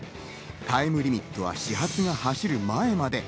タイムリミットは始発が走る前まで。